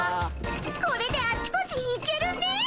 これであちこちに行けるね。